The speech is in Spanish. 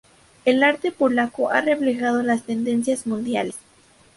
El arte polaco ha reflejado las tendencias mundiales.